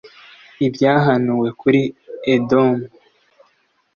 Ibyahanuwe kuri Edomu